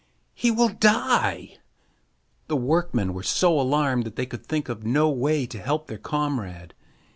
He will die!" The workmen were so alarmed that they could think of no way to help their comrade.